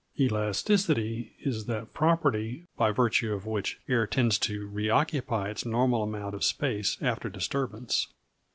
Elasticity is that property by virtue of which air tends to reoccupy its normal amount of space after disturbance.